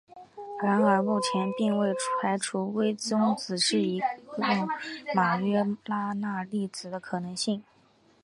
然而目前并未排除微中子是一种马约拉纳粒子的可能性。